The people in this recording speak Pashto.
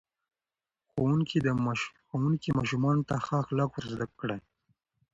ښوونکي ماشومانو ته ښه اخلاق ور زده کړل.